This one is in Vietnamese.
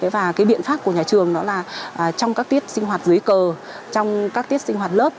và cái biện pháp của nhà trường đó là trong các tiết sinh hoạt dưới cờ trong các tiết sinh hoạt lớp